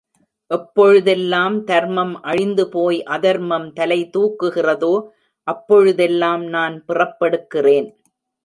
எப்பொழுதெல்லாம் தர்மம் அழிந்து போய் அதர்மம் தலைதூக்குகிறதோ அப்பொழுதெல்லாம் நான் பிறப்பெடுக்கிறேன்.